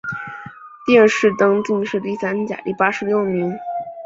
殿试登进士第三甲第八十六名。